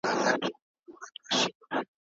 پرته له پلانه پرمختګ سونی نه دی.